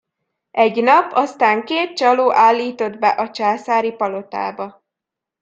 Egy nap aztán két csaló állított be a császári palotába.